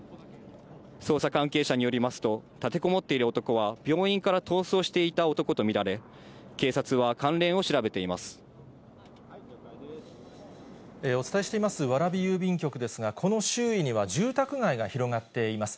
捜査関係者によりますと、立てこもっている男は病院から逃走していた男と見られ、警察は関お伝えしています蕨郵便局ですが、この周囲には住宅街が広がっています。